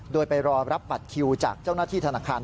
โดยไปรอรับบัตรคิวจากเจ้าหน้าที่ธนาคาร